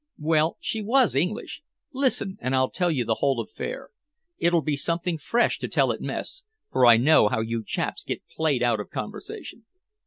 "Well, she was English. Listen, and I'll tell you the whole affair. It'll be something fresh to tell at mess, for I know how you chaps get played out of conversation."